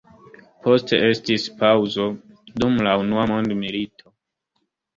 Poste estis paŭzo dum la unua mondmilito.